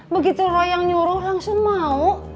begitu roy yang nyuruh langsung mau